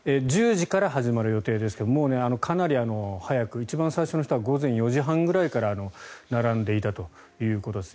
１０時から始まる予定ですがもうかなり早く一番最初の人は午前４時半ぐらいから並んでいたということです。